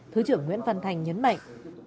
thứ trưởng nguyễn văn thành nhấn mạnh